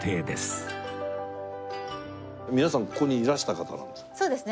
皆さんここにいらした方なんですか？